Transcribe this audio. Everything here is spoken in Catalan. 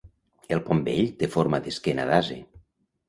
El Pont Vell té forma d'esquena d'ase.